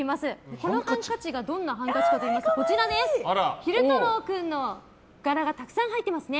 このハンカチがどんなハンカチかといいますと昼太郎君の柄がたくさん入ってますね。